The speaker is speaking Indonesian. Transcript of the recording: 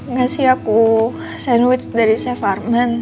ngasih aku sandwich dari chef arman